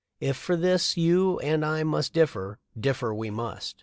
If for this you and I must differ, differ we must."